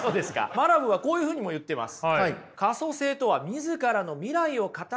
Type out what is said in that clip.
マラブーはこういうふうにも言ってます。